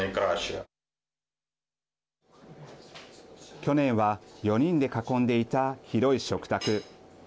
去年は４人で囲んでいた広い食卓。